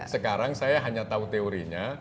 sekarang saya hanya tahu teorinya